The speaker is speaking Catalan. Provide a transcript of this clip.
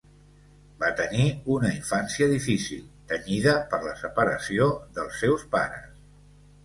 Va tenir una infància difícil, tenyida per la separació dels seus pares.